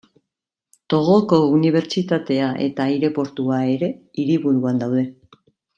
Togoko unibertsitatea eta aireportua ere hiriburuan daude.